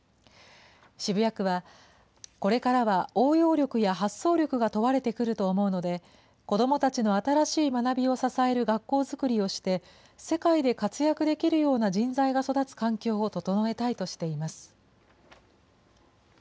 渋谷区は、これからは応用力や発想力が問われてくると思うので、子どもたちの新しい学びを支える学校づくりをして、世界で活躍できるような人材が育つ環境を整えたいとしています。